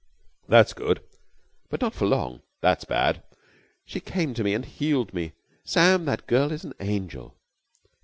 "That's good!" "But not for long." "That's bad!" "She came to me and healed me. Sam, that girl is an angel."